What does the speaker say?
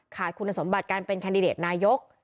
ขาดคุณสมบัติการเป็นแคนดิเดตนายก